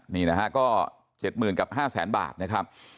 นี่นะฮะก็๗๐๐๐กับ๕แสนบาทนะครับ